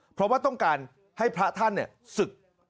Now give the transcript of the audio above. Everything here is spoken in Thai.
เพราะว่าต้องการให้พระท่านศึก